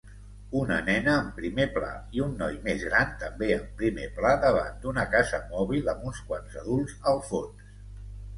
Una nena en primer pla i un noi més gran també en primer pla davant d'una casa mòbil amb uns quants adults al fons.